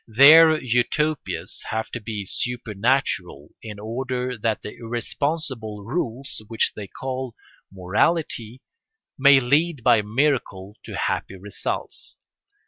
Their Utopias have to be supernatural in order that the irresponsible rules which they call morality may lead by miracle to happy results.